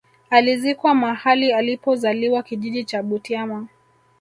Alizikwa mahali alipo zaliwa kijiji cha Butiama